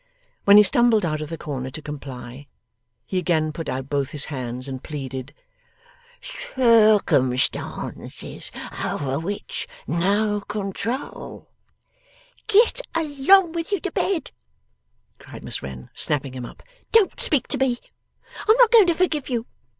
When he stumbled out of the corner to comply, he again put out both his hands, and pleaded: 'Circumstances over which no control ' 'Get along with you to bed!' cried Miss Wren, snapping him up. 'Don't speak to me. I'm not going to forgive you.